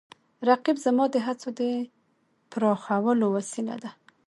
رقیب زما د هڅو د پراخولو وسیله ده